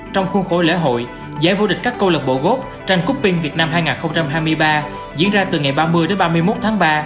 trong khuôn khổ lễ hội giải vô địch các cộng lạc bộ gold trong cúp viên việt nam hai nghìn hai mươi ba diễn ra từ ngày ba mươi ba mươi một tháng ba